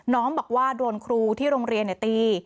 น้องบอกว่าโดนครูที่โรงเรียนตี